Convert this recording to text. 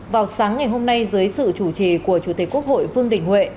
vào sáng ngày hôm nay dưới sự chủ trì của chủ tịch quốc hội vương đình huệ